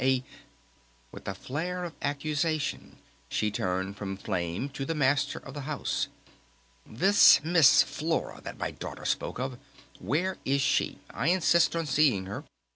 A " With a flare of accusation she turned from Flame to the Master of the House. "This Miss Flora that my daughter spoke of, where is she? I insist on seeing her!